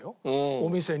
お店に。